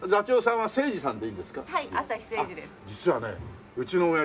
はい。